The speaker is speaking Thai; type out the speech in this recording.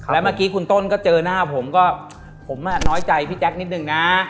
แล้วเมื่อกี้คุณต้นก็เจอหน้าผมก็ผมน้อยใจพี่แจ๊คนิดนึงนะ